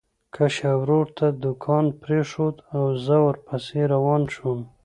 کشر ورور ته دوکان پرېښود او زه ورپسې روان شوم.